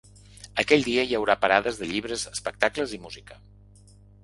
Aquell dia hi haurà parades de llibres, espectacles i música.